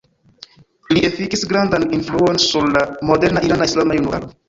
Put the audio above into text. Li efikis grandan influon sur la moderna irana islama junularo.